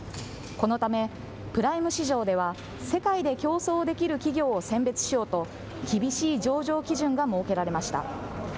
このためプライム市場では世界で競争できる企業を選別しようと厳しい上場基準が設けられました。